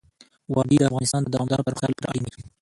وادي د افغانستان د دوامداره پرمختګ لپاره اړین دي.